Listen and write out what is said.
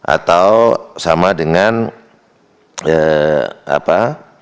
atau sama dengan apa